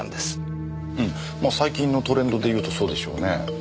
まあ最近のトレンドでいうとそうでしょうね。